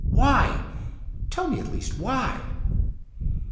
" Why ? Tell me at least why."